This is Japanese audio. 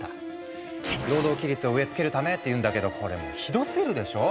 労働規律を植え付けるためっていうんだけどこれもひどすぎるでしょ。